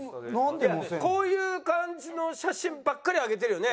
こういう感じの写真ばっかり上げてるよね。